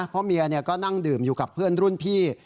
เพราะเมียก็นั่งดื่มอยู่กับเพื่อนรุ่นพี่